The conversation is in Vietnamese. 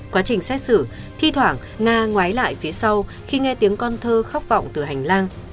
quá trình xét xử thi thoảng nga ngái lại phía sau khi nghe tiếng con thơ khát vọng từ hành lang